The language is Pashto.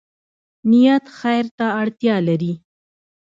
نیت خیر ته اړتیا لري